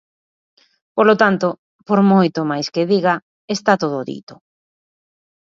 Polo tanto, por moito máis que diga, está todo dito.